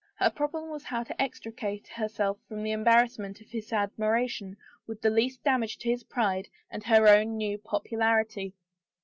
Her problem was how to extricate herself from the embarrassment of his admiration with the least damage to his pride and her own new popularity.